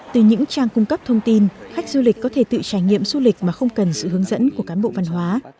từ những trang cung cấp thông tin khách du lịch có thể tự trải nghiệm du lịch mà không cần sự hướng dẫn của cán bộ văn hóa